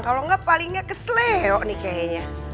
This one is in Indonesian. kalau enggak paling gak keselio nih kayaknya